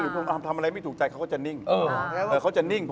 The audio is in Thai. หรือทำอะไรไม่ถูกใจเขาก็จะนิ่ง